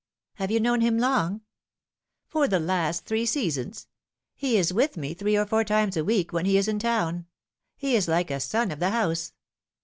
" Have you known him long ?"" For the last three seasons. He is with me three or four times a week when he is in town. He is like a son of the house."